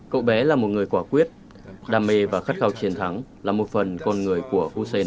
cậu bé là một người quả quyết đam mê và khát khao chiến thắng là một phần con người của huse